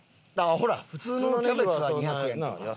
ほら普通のキャベツは２００円とか。